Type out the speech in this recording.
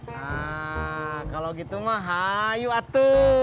nah kalau gitu mbak hayu atuh